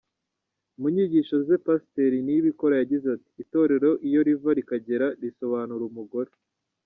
Mu nyigisho ze Pasiteri Niyibikora yagize ati “Itorero iyo riva rikagera risobanura umugore.